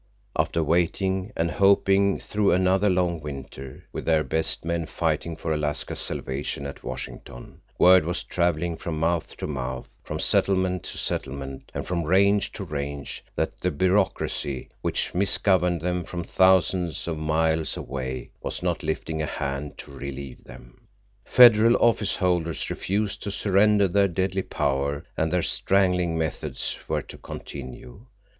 After waiting and hoping through another long winter, with their best men fighting for Alaska's salvation at Washington, word was traveling from mouth to mouth, from settlement to settlement, and from range to range, that the Bureaucracy which misgoverned them from thousands of miles away was not lifting a hand to relieve them. Federal office holders refused to surrender their deadly power, and their strangling methods were to continue.